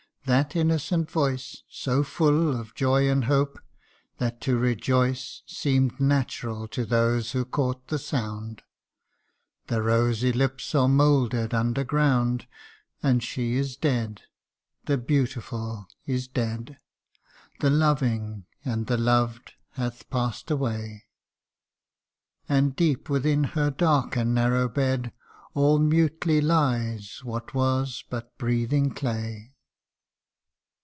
that innocent voice, So full of joy and hope, that to rejoice Seem'd natural to those who caught the sound ! The rosy lips are moulder'd under ground : And she is dead the beautiful is dead ! The loving and the loved hath pass'd away, And deep within her dark and narrow bed All mutely lies what was but breathing clay.